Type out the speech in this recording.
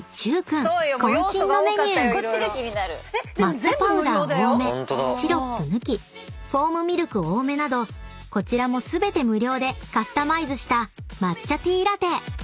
［抹茶パウダー多めシロップ抜きフォームミルク多めなどこちらも全て無料でカスタマイズした］